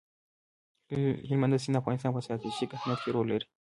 هلمند سیند د افغانستان په ستراتیژیک اهمیت کې رول لري.